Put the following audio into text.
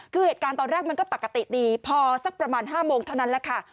คือเหตุการณ์ตอนแรกมันก็ปกติดีพอสักประมาณ๕โมงเท่านั้นแหละค่ะ